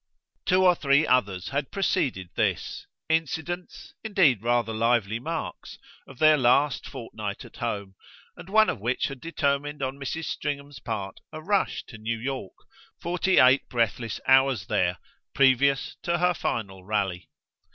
Two or three others had preceded this; incidents, indeed rather lively marks, of their last fortnight at home, and one of which had determined on Mrs. Stringham's part a rush to New York, forty eight breathless hours there, previous to her final rally.